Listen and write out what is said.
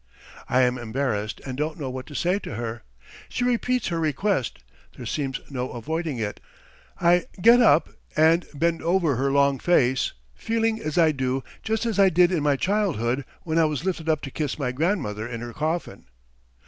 I am embarrassed and don't know what to say to her. She repeats her request. There seems no avoiding it. I get up and bend over her long face, feeling as I do so just as I did in my childhood when I was lifted up to kiss my grandmother in her coffin.